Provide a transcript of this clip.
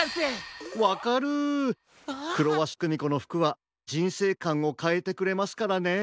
わかるクロワシクミコのふくはじんせいかんをかえてくれますからね。